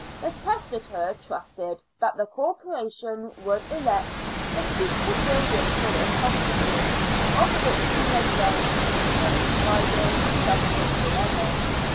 The testator trusted that the Cor poration would erect a suitable building for this hospital, of which he made them " patrons, guiders, and governors for ever."